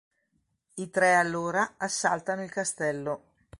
I tre allora assaltano il castello.